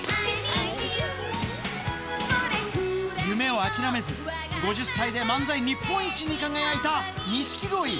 夢を諦めず５０歳で漫才日本一に輝いた「錦鯉」